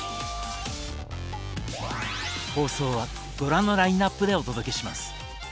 放送はご覧のラインナップでお届けします。